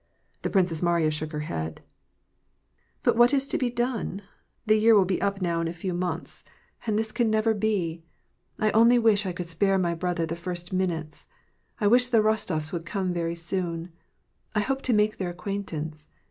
The Princess Mariya shook her head. " But what is to be done ? The year will be up now in a few 324 WAR AND PEACE. months. And this can never be. I only wish I could spare my brother the first minutes. I wish the Rostofs would come very soon. I hope to make her acquaintance.